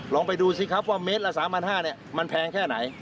ลองไปดูสิครับว่าเมตรละ๓๕๐๐บาทมันแพงแค่ไหน